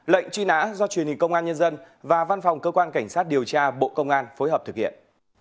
lệnh truy nã do truyền hình công an nhân dân và văn phòng cơ quan cảnh sát điều tra bộ công an phối hợp thực hiện